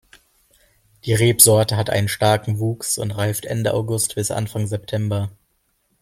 Die Rebsorte hat einen starken Wuchs und reift Ende August bis Anfang September.